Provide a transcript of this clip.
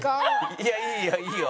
いやいいよいいよ。